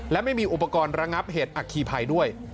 และไม่มีอุปกรณ์ระงับเหตุอัคคีภัยด้วย